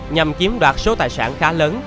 nhằm chiếm đoạt số tài sản khá lớn